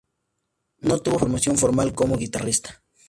No tuvo formación formal como guitarrista.